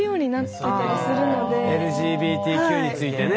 ＬＧＢＴＱについてね。